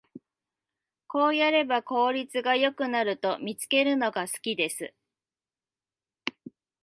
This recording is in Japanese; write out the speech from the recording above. こうやれば効率が良くなると見つけるのが好きです